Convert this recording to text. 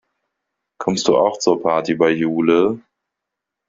Kommst du auch zur Party bei Jule?